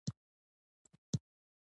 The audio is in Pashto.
ګلان د خوشبویۍ راز لري.